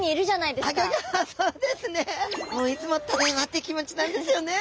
いつもただいまって気持ちなんですよね！